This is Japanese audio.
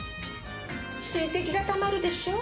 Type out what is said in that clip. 水滴がたまるでしょ？